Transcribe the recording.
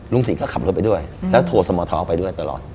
สินก็ขับรถไปด้วยแล้วโทรสมท้อไปด้วยตลอด